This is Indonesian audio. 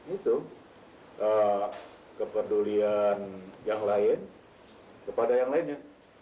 itu kepedulian yang lain kepada yang lainnya